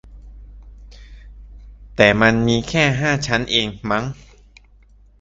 แต่มันมีแค่ห้าชั้นเองมั้ง